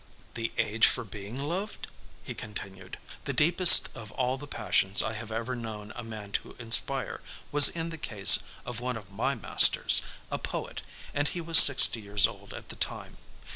"The age for being loved?" he continued. "The deepest of all the passions I have ever known a man to inspire was in the case of one of my masters, a poet, and he was sixty years old at the time.